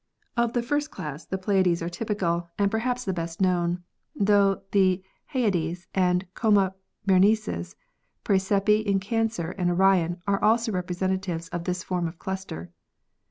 Of the first class the Pleiades are typical and are perhaps 304 ASTRONOMY the best known, tho the Hyades, Coma Berenices, Praesepe in Cancer and Orion are also" representatives of this form of cluster.